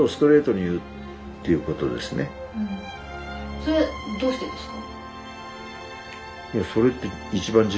それはどうしてですか？